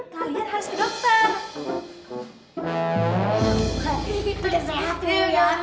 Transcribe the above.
kalian harus ke dokter